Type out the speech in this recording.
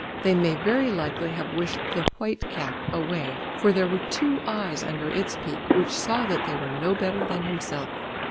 They may very likely have wished the "white cap" away, for there were two eyes under its peak, which saw that they were no better than himself.